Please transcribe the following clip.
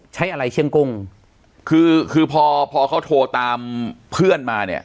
ใช้อะไรเชียงกุ้งคือคือพอพอเขาโทรตามเพื่อนมาเนี่ย